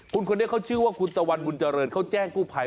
คุณคนนี้เขาชื่อว่าคุณตะวันบุญเจริญเขาแจ้งกู้ภัย